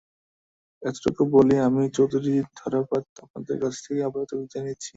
এতটুকু বলে আমি চৌধুরী ধারাপাত আপনাদের কাছ থেকে আপাতত বিদায় নিচ্ছি।